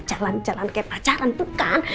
jalan jalan kayak pacaran tuh kan